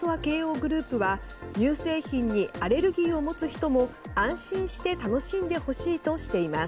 グループは乳製品にアレルギーを持つ人も安心して楽しんでほしいとしています。